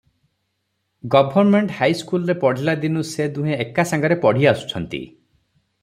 Government ହାଇସ୍କୁଲରେ ପଢ଼ିଲା ଦିନୁଁ ସେ ଦୁହେଁ ଏକାସାଙ୍ଗରେ ପଢ଼ି ଆସୁଛନ୍ତି ।